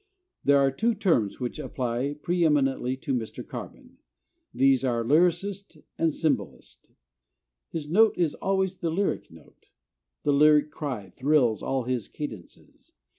There are two terms which apply pre eminently to Mr. Carman. These are Lyrist and Symbolist. His note is always the lyric note. The "lyric cry" thrills all his cadences.